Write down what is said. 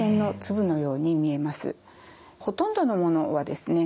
ほとんどのものはですね